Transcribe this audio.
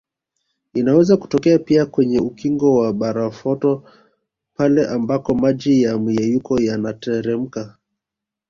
Inaweza kutokea pia kwenye ukingo wa barafuto pale ambako maji ya myeyuko yanateremka